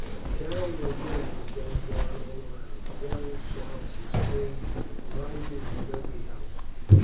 A terrible din was going on all round; yells, shouts, and screams arising from every house.